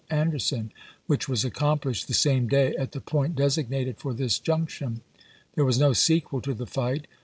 Anderson, which was accom plished the same day at the point designated for this junction. There was no sequel to the fight.